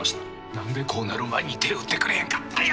何でこうなる前に手打ってくれんかったんや。